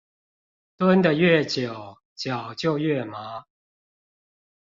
蹲的越久，腳就越麻